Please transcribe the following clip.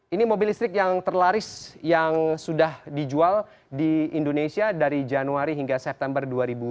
ini mobil listrik yang terlaris yang sudah dijual di indonesia dari januari hingga september dua ribu dua puluh